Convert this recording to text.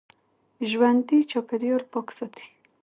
ژوندي چاپېریال پاک ساتي